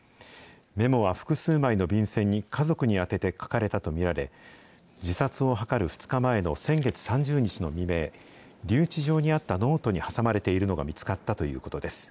メモは複数枚の便箋に家族に宛てて書かれたと見られ、自殺を図る２日前の先月３０日の未明、留置場にあったノートに挟まれているのが見つかったということです。